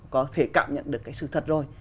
có thể cảm nhận được cái sự thật rồi